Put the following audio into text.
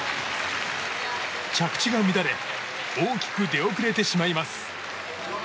着地が乱れ大きく出遅れてしまいます。